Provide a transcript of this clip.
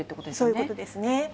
そういうことですね。